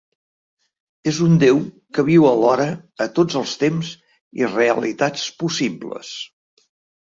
És un déu que viu alhora a tots els temps i realitats possibles.